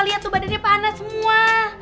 lihat tuh badannya panas semua